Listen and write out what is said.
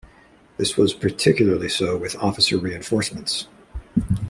This was particularly so with Officer reinforcements.